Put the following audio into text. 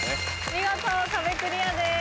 見事壁クリアです。